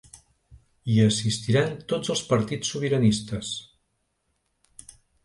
Hi assistiran tots els partits sobiranistes.